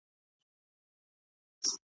هغوی په خپلو معيارونو کي هيڅ بدلون نه راووست.